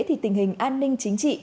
thì tình hình an ninh chính trị